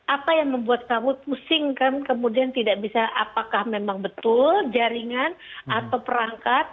apa yang membuat kamu pusing kan kemudian tidak bisa apakah memang betul jaringan atau perangkat